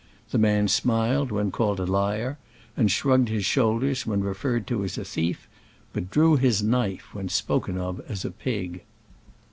The man smiled when called a liar, and shrugged his shoulders when referred to as a thief, but drew his knife when spoken of as a pig.